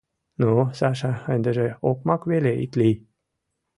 Ну, Саша, ындыже окмак веле ит лий!